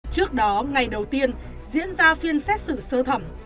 trước đó ngày đầu tiên diễn ra phiên xét xử sơ thẩm